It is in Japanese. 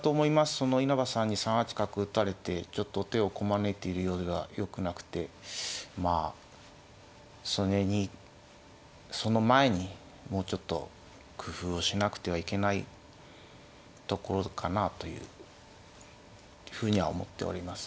その稲葉さんに３八角打たれてちょっと手をこまねいているようではよくなくてまあそれにその前にもうちょっと工夫をしなくてはいけないところかなというふうには思っております。